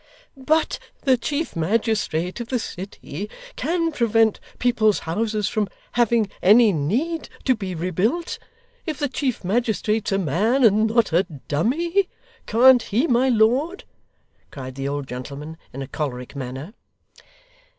'But the chief magistrate of the city can prevent people's houses from having any need to be rebuilt, if the chief magistrate's a man, and not a dummy can't he, my lord?' cried the old gentleman in a choleric manner.